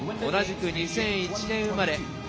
同じく２００１年生まれ。